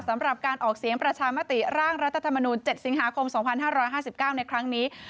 สำหรับการออกเสียงประชามติร่างรัฐธรรมนูล๗สิงหาคม๒๕๕๙ในครั้งนี้